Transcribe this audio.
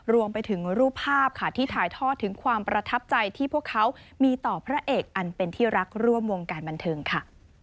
รวมไปถึงรูปภาพค่ะที่ถ่ายทอดถึงความประทับใจที่พวกเขามีต่อพระเอกอันเป็นที่รักร่วมวงการบันเทิงค่ะ